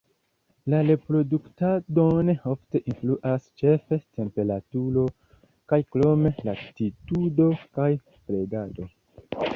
La reproduktadon forte influas ĉefe temperaturo kaj krome latitudo kaj predado.